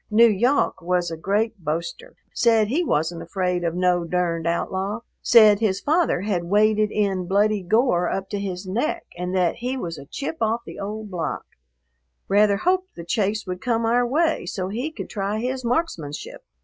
N'Yawk was a great boaster; said he wasn't afraid of no durned outlaw, said his father had waded in bloody gore up to his neck and that he was a chip off the old block, rather hoped the chase would come our way so he could try his marksmanship.